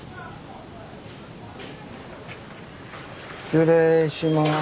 失礼します。